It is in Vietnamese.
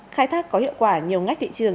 khai thác có hiệu quả nhiều ngách thị trường